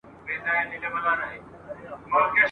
یو سړی سهار له کوره وو وتلی !.